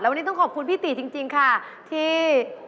วันนี้ต้องขอบคุณพี่ตีจริงค่ะที่